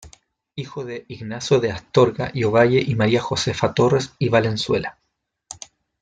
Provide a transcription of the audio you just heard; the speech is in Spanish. Hijo de "Ignacio de Astorga y Ovalle" y "María Josefa Torres y Valenzuela".